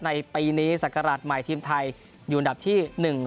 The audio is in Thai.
ในปีนี้ศักราชใหม่ทีมไทยอยู่อันดับที่๑